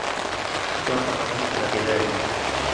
لا أرى مشكلةً بذلك.